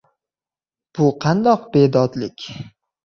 Bu qandoq bedodlik?